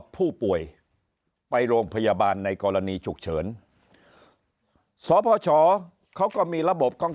ผู้ป่วยไปโรงพยาบาลในกรณีฉุกเฉินสพชเขาก็มีระบบของ